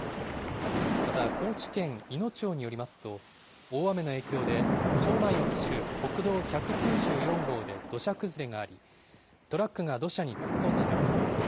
また、高知県いの町によりますと、大雨の影響で、町内を走る国道１９４号で土砂崩れがあり、トラックが土砂に突っ込んだということです。